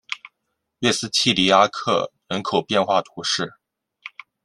瑞斯蒂尼阿克人口变化图示